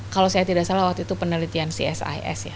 kalau saya tidak salah waktu itu penelitian csis ya